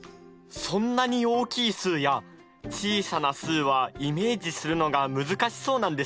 そんなに大きい数や小さな数はイメージするのが難しそうなんですが。